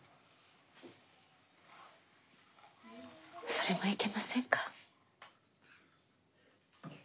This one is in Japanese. それもいけませんか？